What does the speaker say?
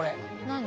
何？